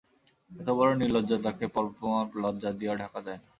এতবড়ো নির্লজ্জতাকে পর্বতপ্রমাণ লজ্জা দিয়াও ঢাকা যায় না।